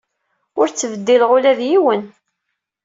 Ur ttbeddileɣ ula d yiwen.